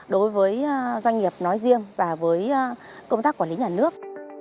đối với doanh nghiệp nói riêng và với công tác quản lý nhà nước